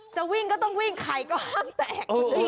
จะวิ่งก็ต้องวิ่งไข่ก็ห้ามแตก